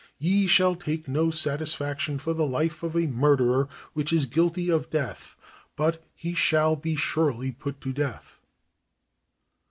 " Ye shall take no satisfaction for the life of a murderer, which is guilty of death: but he shall be surely put to death."